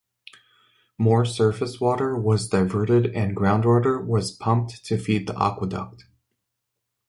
More surface water was diverted and groundwater was pumped to feed the aqueduct.